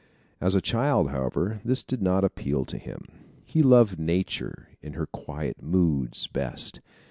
As a child, however, this did not appeal to him. He loved nature in her quiet moods best.